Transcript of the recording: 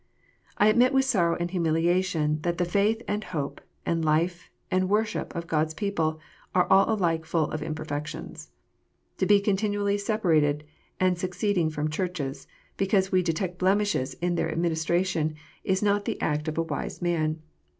I admit with sorrow and humiliation, that the faith, and hope, and life, and worship of God s people are all alike full of imperfections. To be continually separating and seced ing from Churches, because we detect blemishes in their admin istration, is not the act of a wise man.